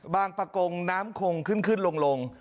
บางปลากงน้ำคงขึ้นลง